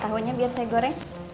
tahunya biar saya goreng